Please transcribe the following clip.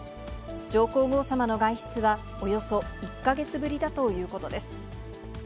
上皇后さまの外出はおよそ１か月ぶりだということです。